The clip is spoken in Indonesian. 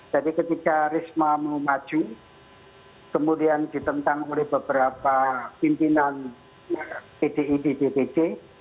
jadi ketika risma memaju kemudian ditentang oleh beberapa pimpinan pdi di dpd